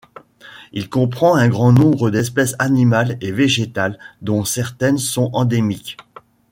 Il comprend un grand nombre d'espèces animales et végétales dont certaines sont endémiques.